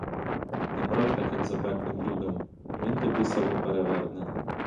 Не прав таким запеклим людом, — він тобі село переверне!